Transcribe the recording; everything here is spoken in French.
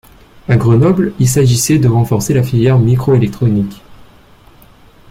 À Grenoble il s'agissait de renforcer la filière micro-électronique.